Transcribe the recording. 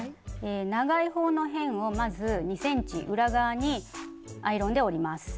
長い方の辺をまず２ｃｍ裏側にアイロンで折ります。